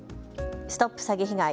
ＳＴＯＰ詐欺被害！